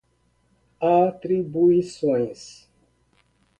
atribuições